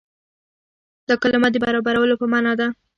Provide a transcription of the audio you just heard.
دا کلمه د برابرولو په معنا ده.